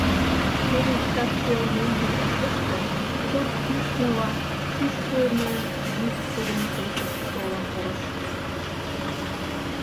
Теве иктаж пел меҥге ӧрдыжтӧ, чылт кӱшныла, шӱшкымӧ йӱк тудын пылышыш толын пурыш.